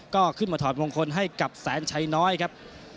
ก็ขึ้นมาถอดมงคลให้กับแสนชัยน้อยครับ